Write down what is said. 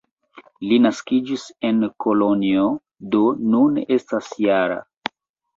Li naskiĝis en Kolonjo, do nun estas -jara.